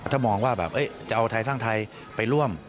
ถ้ามองว่าแบบจะเอาไทยสร้างไทยไปร่วม